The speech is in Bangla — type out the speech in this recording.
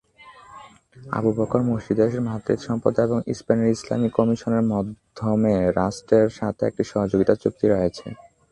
আবু-বকর মসজিদের মাদ্রিদ সম্প্রদায় এবং স্পেনের ইসলামী কমিশনের মাধ্যমে রাষ্ট্রের সাথে একটি সহযোগিতা চুক্তি রয়েছে।